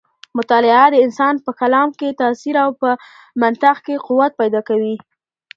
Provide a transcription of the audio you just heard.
مطالعه د انسان په کلام کې تاثیر او په منطق کې قوت پیدا کوي.